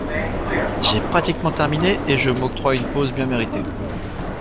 J’ai pratiquement terminé et je m’octroie une pause bien méritée.